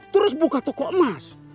terus buka toko emas